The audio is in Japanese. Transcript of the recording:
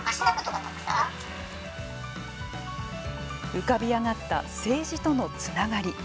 浮かび上がった政治とのつながり。